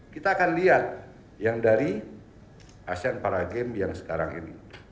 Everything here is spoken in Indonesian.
kita akan lihat yang dari asean para games yang sekarang ini